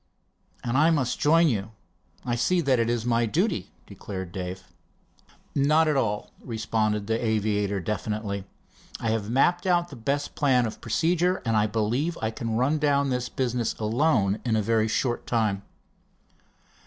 "And I must join you I see that it is my duty," declared Dave. "Not at all," responded the aviator definitely. "I have mapped out the best plan of procedure, and I believe I can run down this business alone in a very short time."